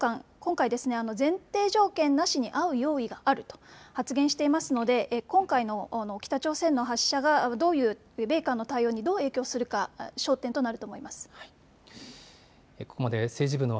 韓国と協議を行ったアメリカの高官、今回、前提条件なしに会う用意があると発言していますので今回の北朝鮮の発射が米韓の対応にどう影響するか焦点となると思います。